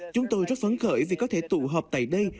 chúng tôi rất phấn khởi vì có thể tụ hợp tại đây